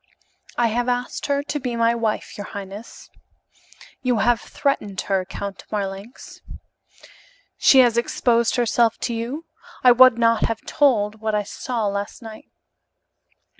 "I have asked her to be my wife, your highness." "You have threatened her, Count Marlanx." "She has exposed herself to you? I would not have told what I saw last night."